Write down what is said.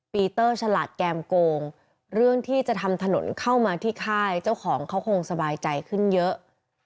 ปีเตอร์ฉลาดแก้มโกงเรื่องที่จะทำถนนเข้ามาที่ค่ายเจ้าของเขาคงสบายใจขึ้นเยอะ